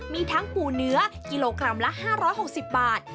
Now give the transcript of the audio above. มีทั้งปูเนื้อกิโลกรัมละ๕๖๐บาท